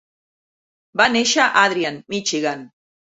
Va néixer a Adrian, Michigan.